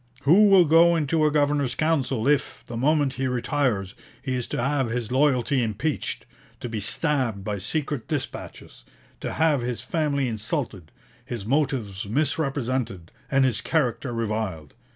Who will go into a Governor's Council if, the moment he retires, he is to have his loyalty impeached; to be stabbed by secret dispatches; to have his family insulted; his motives misrepresented, and his character reviled?